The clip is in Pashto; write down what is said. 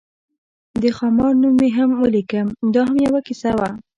د خامار نوم مې هم ولیکه، دا هم یوه کیسه وه.